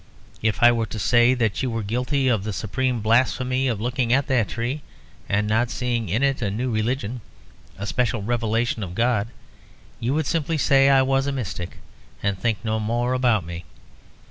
If I were to say that you were guilty of the supreme blasphemy of looking at that tree and not seeing in it a new religion, a special revelation of God, you would simply say I was a mystic, and think no more about me.